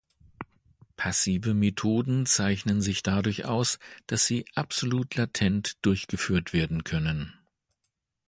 Passive Methoden zeichnen sich dadurch aus, dass sie absolut latent durchgeführt werden können.